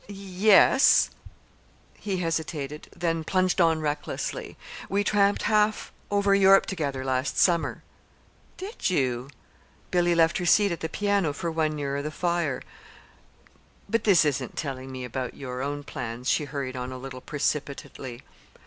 "Yes." He hesitated, then plunged on recklessly. "We tramped half over Europe together last summer." "Did you?" Billy left her seat at the piano for one nearer the fire. "But this isn't telling me about your own plans," she hurried on a little precipitately.